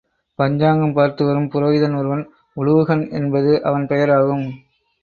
பஞ்சாங்கம் பார்த்துவரும் புரோகிதன் ஒருவன் உலூகன் என்பது அவன் பெயர் ஆகும்.